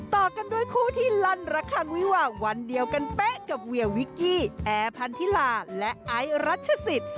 ต่อกันด้วยคู่ที่ลั่นระคังวิวาวันเดียวกันเป๊ะกับเวียวิกกี้แอร์พันธิลาและไอซ์รัชศิษย์